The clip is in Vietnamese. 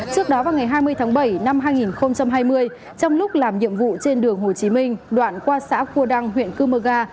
trước đó vào ngày hai mươi tháng bảy năm hai nghìn hai mươi trong lúc làm nhiệm vụ trên đường hồ chí minh đoạn qua xã cua đăng huyện cư mơ ga